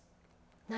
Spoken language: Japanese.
何？